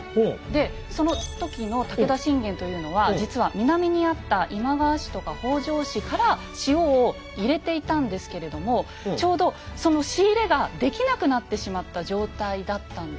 でその時の武田信玄というのは実は南にあった今川氏とか北条氏から塩を入れていたんですけれどもちょうどその仕入れができなくなってしまった状態だったんです。